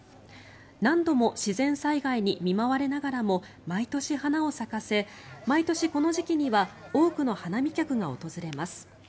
何度も自然災害に見舞われながらも毎年、花を咲かせ毎年、この時期には多くの花見客が訪れます。